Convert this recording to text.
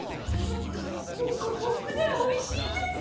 ホクホクでおいしいです！